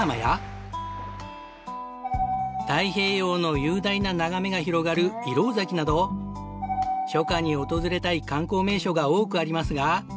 太平洋の雄大な眺めが広がる石廊崎など初夏に訪れたい観光名所が多くありますが。